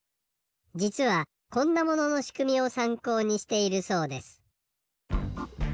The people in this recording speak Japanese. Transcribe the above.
じつはこんなもののしくみをさんこうにしているそうです。